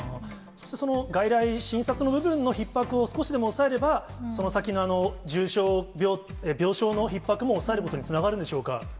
そしてその外来、診察の部分のひっ迫を少しでも抑えれば、その先の病床のひっ迫も抑えることにつながるんでしょうか。